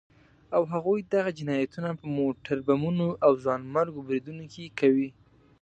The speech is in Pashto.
او هغوی دغه جنايتونه په موټر بمونو او ځانمرګو بريدونو کې کوي.